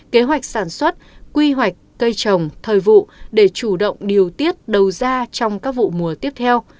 kế hoạch sản xuất quy hoạch cây trồng thời vụ để chủ động điều tiết đầu ra trong các vụ mùa tiếp theo